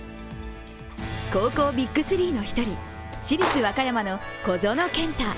高校ビッグ３の１人、市立和歌山の小園健太。